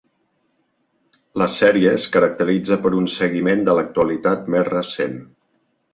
La sèrie es caracteritza per un seguiment de l'actualitat més recent.